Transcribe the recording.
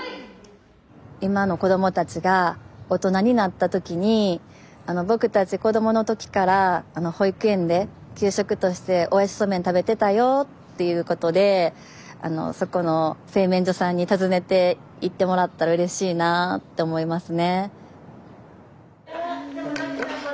今の子供たちが大人になった時に「僕たち子供の時から保育園で給食として大矢知そうめんを食べてたよ」っていうことでそこの製麺所さんに訪ねていってもらったらうれしいなあって思いますね。